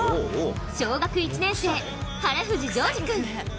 小学１年生、原藤成冶君。